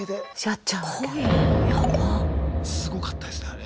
すごかったですねあれ。